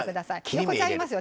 横ちゃいますよ。